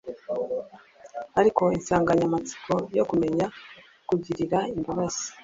ariko insanganyamatsiko yo kumenya kugirira imbabazi